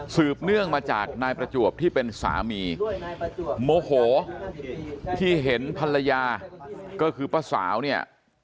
เนื่องมาจากนายประจวบที่เป็นสามีโมโหที่เห็นภรรยาก็คือป้าสาวเนี่ย